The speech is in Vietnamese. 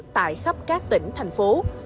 tại khắp các tỉnh thành phố